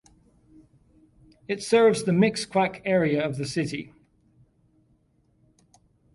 It serves the Mixcoac area of the city.